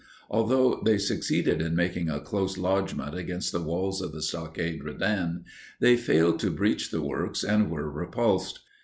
Although they succeeded in making a close lodgment against the walls of the Stockade Redan, they failed to breach the works and were repulsed.